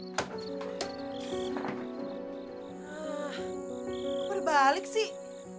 kok berbalik sih